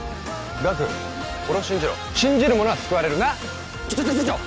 ガク俺を信じろ信じる者は救われるなっちょちょちょちょちょ